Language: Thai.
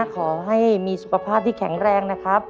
ขอให้มีสุขภาพที่แข็งแรงนะครับ